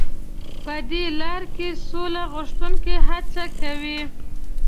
په دې لاره کې سوله غوښتونکي هڅې کوي.